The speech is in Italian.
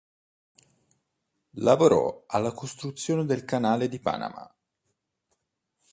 Lavorò alla costruzione del Canale di Panama.